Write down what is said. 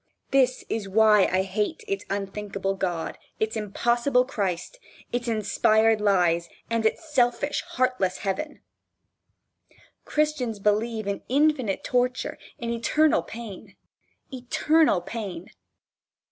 This is why I hate its unthinkable God, its impossible Christ, its inspired lies, and its selfish, heartless heaven. Christians believe in infinite torture, in eternal pain. Eternal Pain!